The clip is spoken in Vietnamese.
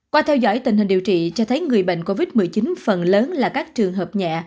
qua theo dõi tình hình điều trị cho thấy người bệnh covid một mươi chín phần lớn là các trường hợp nhẹ